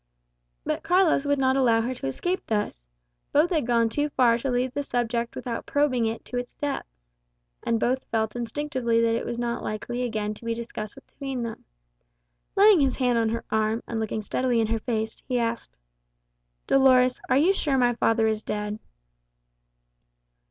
But Carlos would not allow her to escape thus. Both had gone too far to leave the subject without probing it to its depths. And both felt instinctively that it was not likely again to be discussed between them. Laying his hand on her arm, and looking steadily in her face, he asked, "Dolores, are you sure my father is dead?"